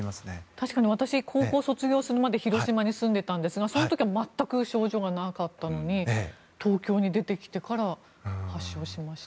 確かに私高校を卒業するまで広島に住んでいましたがその時は全く症状がなかったのに東京に出てきてから発症しました。